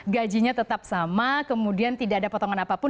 gajinya tetap sama kemudian tidak ada potongan apapun